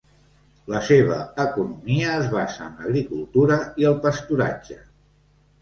La seva economia es basa en l'agricultura i el pasturatge.